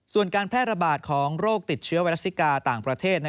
ส่วนการแพร่ระบาดของโรคติดเชื้อไวรัสซิกาต่างประเทศ